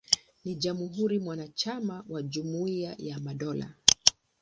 Ni jamhuri mwanachama wa Jumuiya ya Madola.